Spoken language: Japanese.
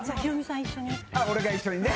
俺が一緒にね。